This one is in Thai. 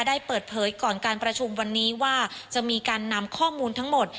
ได้เปิดเผยก่อนการประชุมวันนี้ว่าจะมีการนำข้อมูลทั้งหมด